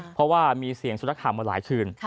เพราะว่ามีเสียงสุนัขข่าวมาหลายคืน